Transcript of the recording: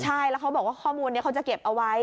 ใช่แล้วเขาบอกว่าข้อมูลนี้เขาจะเก็บเอาไว้